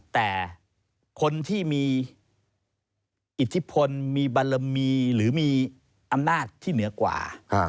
แต่คนที่มีอิทธิพลมีบารมีหรือมีอำนาจที่เหนือกว่า